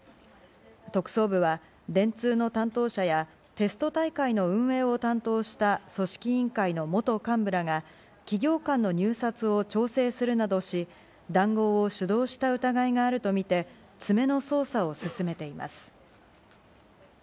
特捜部は電通の担当者やテスト大会の運営を担当した組織委員会の元幹部らが企業間の入札を調整するなどし、談合を主導した疑いがあるとみて詰めの捜査を進めています。